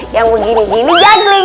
yang begini gini jogging